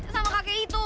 sama kakek itu